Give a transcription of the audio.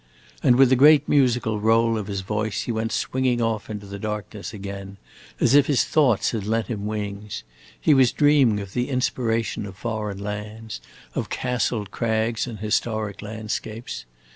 And with a great, musical roll of his voice he went swinging off into the darkness again, as if his thoughts had lent him wings. He was dreaming of the inspiration of foreign lands, of castled crags and historic landscapes.